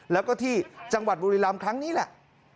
แล้วก็ที่จังหวัดบุรีรำครั้งนี้แหละ